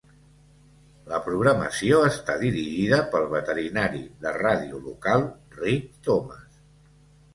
La programació està dirigida pel veterinari de ràdio local, Rick Thomas.